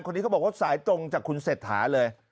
คนนี้เขาบอกว่าสายตรงจากคุณเศรษฐาเลย